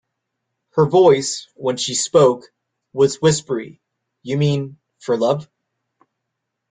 Her voice, when she spoke, was whispery: "You mean — for love?"